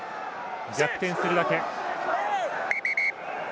逆転するだけ。